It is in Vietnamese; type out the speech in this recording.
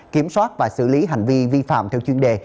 kiểm soát và xử lý hành vi vi phạm theo chuyên đề